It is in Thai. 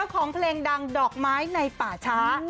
ของเพลงดังดอกไม้ในป่าช้า